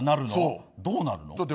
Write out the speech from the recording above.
どうなるの？